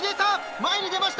前に出ました！